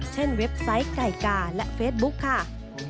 เว็บไซต์ไก่กาและเฟซบุ๊คค่ะ